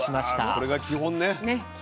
これが基本ね。